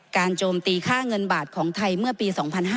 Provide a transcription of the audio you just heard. โจมตีค่าเงินบาทของไทยเมื่อปี๒๕๕๙